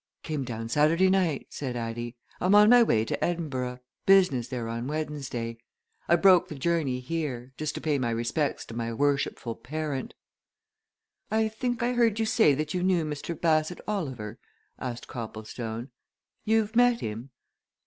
"Came down Saturday night," said Addie. "I'm on my way to Edinburgh business there on Wednesday. So I broke the journey here just to pay my respects to my worshipful parent." "I think I heard you say that you knew Mr. Bassett Oliver?" asked Copplestone. "You've met him?"